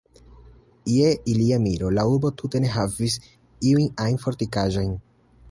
Je ilia miro, la urbo tute ne havis iujn ajn fortikaĵojn.